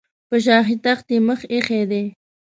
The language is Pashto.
په شاهي تخت یې مخ ایښی دی.